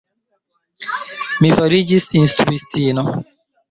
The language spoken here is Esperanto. Mi fariĝis instruistino.